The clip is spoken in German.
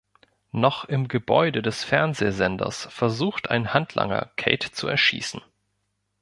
Noch im Gebäude des Fernsehsenders versucht ein Handlanger Kate zu erschießen.